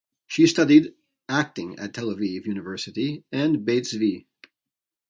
She studied acting at Tel Aviv University and Beit Zvi.